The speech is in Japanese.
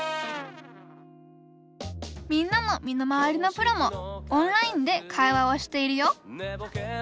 みんなの身の回りのプロもオンラインで会話をしているよ。